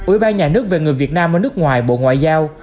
ủy ban nhà nước về người việt nam ở nước ngoài bộ ngoại giao